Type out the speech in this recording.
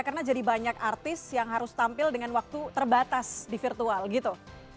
karena jadi banyak artis yang harus tampil dengan waktu terbatas di virtual gitu